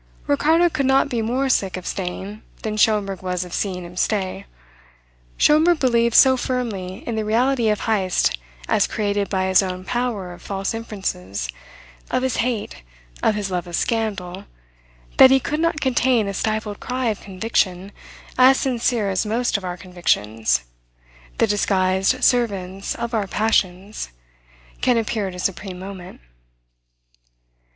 Ricardo could not be more sick of staying than Schomberg was of seeing him stay. Schomberg believed so firmly in the reality of Heyst as created by his own power of false inferences, of his hate, of his love of scandal, that he could not contain a stifled cry of conviction as sincere as most of our convictions, the disguised servants of our passions, can appear at a supreme moment.